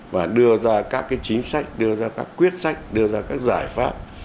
và đưa ra các chính sách đưa ra các quyết sách đưa ra các giải pháp